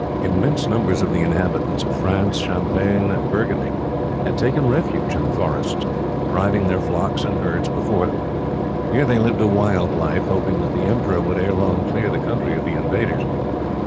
Immense numbers of the inhabitants of France, Champagne, and Burgundy had taken refuge in the forests, driving their flocks and herds before them. Here they lived a wild life, hoping that the emperor would ere long clear the country of the invaders.